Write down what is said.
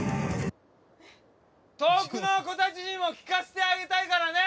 遠くの子達にも聴かせてあげたいからね